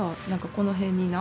この辺にな